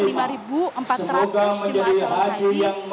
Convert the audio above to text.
semoga menjadi haju yang empat puluh